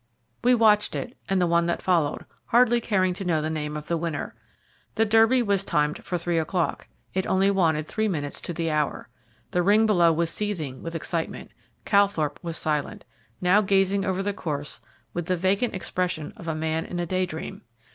We watched it, and the one that followed, hardly caring to know the name of the winner. The Derby was timed for three o'clock it only wanted three minutes to the hour. The ring below was seething with excitement, Calthorpe was silent, now gazing over the course with the vacant expression of a man in a day dream.